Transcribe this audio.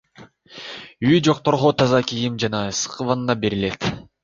Үйү жокторго таза кийим жана ысык ванна берилет.